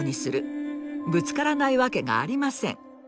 ぶつからないわけがありません。